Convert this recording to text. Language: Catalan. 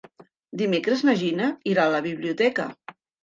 Dimecres na Gina irà a la biblioteca.